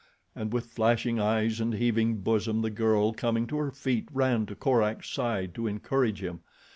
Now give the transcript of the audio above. And with flashing eyes and heaving bosom the girl, coming to her feet, ran to Korak's side to encourage him.